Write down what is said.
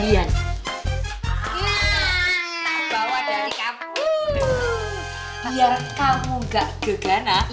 biar kamu gak keganah